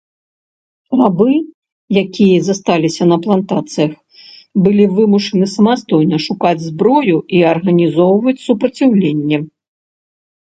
Рабы, якія засталіся на плантацыях, былі вымушаны самастойна шукаць зброю і арганізоўваць супраціўленне.